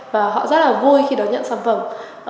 và họ rất là vui khi đón nhận sản phẩm